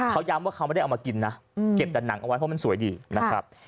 เขาย้ำว่าเขาไม่ได้เอามากินนะเก็บแต่หนังเอาไว้เพราะมันสวยดีนะครับ